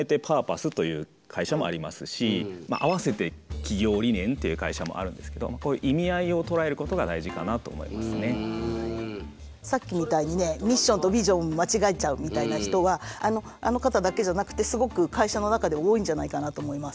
合わせて企業理念という会社もあるんですけどさっきみたいにねミッションとビジョン間違えちゃうみたいな人はあの方だけじゃなくてすごく会社の中で多いんじゃないかなと思います。